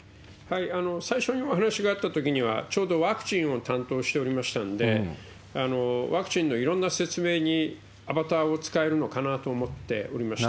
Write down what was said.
最初にお話があったときには、ちょうどワクチンを担当しておりましたんで、ワクチンのいろんな説明にアバターを使えるのかなと思っておりました。